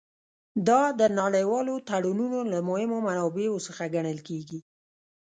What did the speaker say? دا د نړیوالو تړونونو له مهمو منابعو څخه ګڼل کیږي